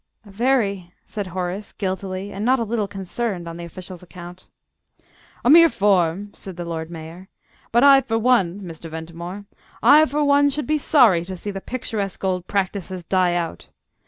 "Very," said Horace, guiltily, and not a little concerned on the official's account. "A mere form!" said the Lord Mayor; "but I for one, Mr. Ventimore I for one should be sorry to see the picturesque old practices die out.